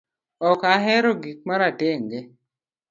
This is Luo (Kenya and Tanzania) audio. Ok ahero gik maratenge